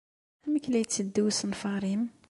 Amek ay la yetteddu usenfar-nnem?